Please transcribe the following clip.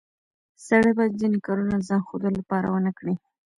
سړی باید ځینې کارونه د ځان ښودلو لپاره ونه کړي